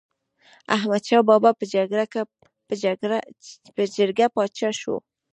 احمد شاه بابا په جرګه پاچا شو.